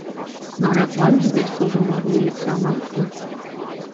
Снаряд ванчӑкӗ сылтӑм урине лексе амантнӑ.